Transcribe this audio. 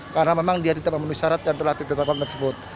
karena memang dia tidak memenuhi syarat yang telah ditetapkan tersebut